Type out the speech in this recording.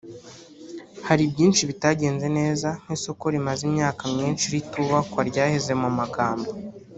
hari byinshi bitagenze neza nk’isoko rimaze imyaka myinshi ritubakwa ryaheze mu magambo